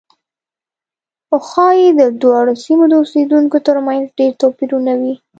خو ښایي د دواړو سیمو د اوسېدونکو ترمنځ ډېر توپیرونه وي.